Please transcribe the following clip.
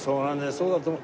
そうだと思う。